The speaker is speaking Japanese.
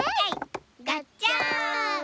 がっちゃん。